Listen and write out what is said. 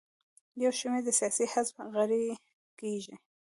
یو شمېر د سیاسي حزب غړي کیږي.